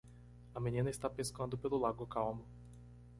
A menina está pescando pelo lago calmo.